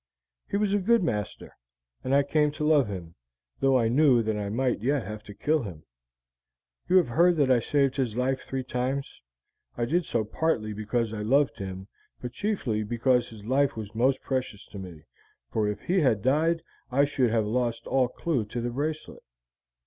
"He was a good master, and I came to love him, though I knew that I might yet have to kill him. You have heard that I saved his life three times; I did so partly because I loved him, but chiefly because his life was most precious to me, for if he had died I should have lost all clew to the bracelet.